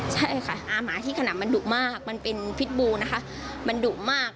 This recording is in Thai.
ใช่ค่ะอาหมาที่ขนำมันดุมากมันเป็นพิษบูนะคะมันดุมาก